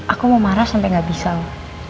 aku mau marah sampai gak bisa loh